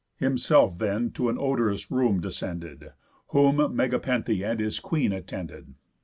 Himself then to an odorous room descended, Whom Megapenthe and his queen attended.